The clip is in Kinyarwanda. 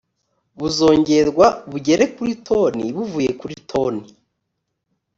buzongerwa bugere kuri toni buvuye kuri toni